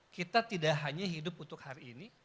kita tidak hanya hidup untuk hari ini